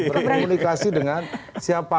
bisa berkomunikasi dengan siapapun